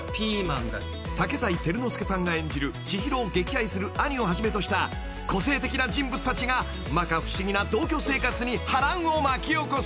［竹財輝之助さんが演じる知博を溺愛する兄をはじめとした個性的な人物たちがまか不思議な同居生活に波乱を巻き起こす］